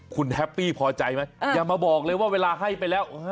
คุณแฮปปี้พอใจไหมอย่ามาบอกเลยว่าเวลาให้ไปแล้ว